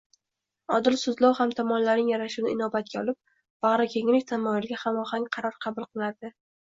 Odil sudlov ham tomonlarning yarashuvini inobatga olib, bag`rikenglik tamoyiliga hamohang qaror qabul qiladi